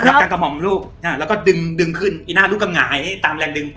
งับกันกระหม่อลูกแล้วก็ดึงขึ้นไอ้หน้าลูกก็หงายตามแรงดึงพ่อ